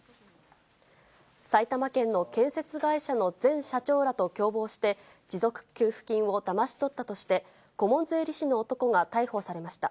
埼玉県の建設会社の前社長らと共謀して、持続化給付金をだまし取ったとして、顧問税理士の男が逮捕されました。